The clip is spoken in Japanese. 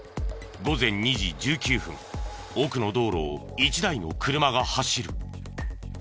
午前２時１９分奥の道路を１台の車が走る。